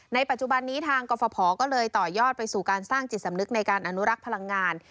ปัจจุบันนี้ทางกรฟภก็เลยต่อยอดไปสู่การสร้างจิตสำนึกในการอนุรักษ์พลังงาน